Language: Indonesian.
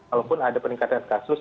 walaupun ada peningkatan kasus